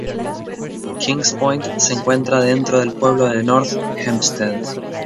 Kings Point se encuentra dentro del pueblo de North Hempstead.